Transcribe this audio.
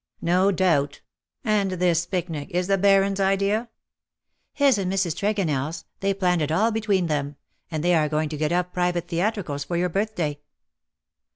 '^No doubt. And this picnic is. the Baron^s idea?" '* His and Mrs. TregonelFs^ they planned it all between them. And they are going to get up private theatricals for your bn^thday."